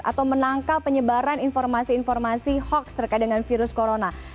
atau menangkal penyebaran informasi informasi hoax terkait dengan virus corona